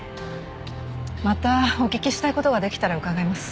またお聞きしたい事が出来たら伺います。